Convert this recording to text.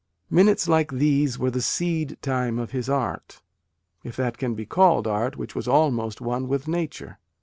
Minutes like these were the seed time of his art, if that can be called art which was almost one with Nature.